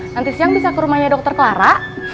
nanti siang bisa ke rumahnya dokter clara